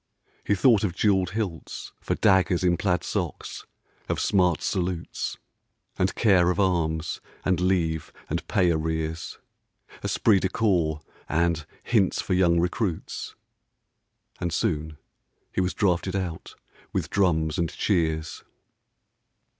He thought of jewelled hilts For daggers in plaid socks ; of smart salutes ; And care of arms ; and leave ; and pay arrears ; Esprit de corps ; and hints for young recruits. And soon, he was drafted out with drums and cheers.